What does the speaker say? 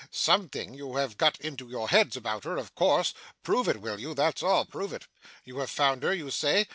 Something you have got into your heads about her, of course. Prove it, will you that's all. Prove it. You have found her, you say.